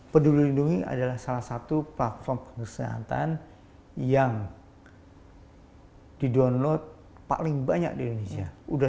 peduli lindungi adalah salah satu platform kesehatan yang didownload paling banyak di indonesia